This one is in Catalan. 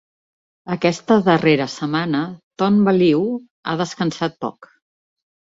Aquesta darrera setmana, Ton Baliu ha descansat poc.